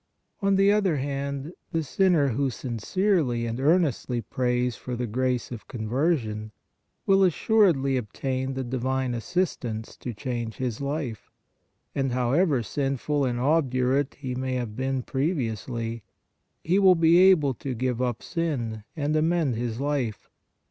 On the other hand, the sinner who sincerely and earnestly prays for the grace of conversion, will assuredly obtain the divine assistance to change his life, and, how ever sinful and obdurate he may have been pre viously, he will be able to give up sin and amend his life.